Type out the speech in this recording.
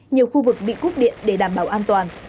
nhiều khu vực bị cúp điện để đảm bảo an toàn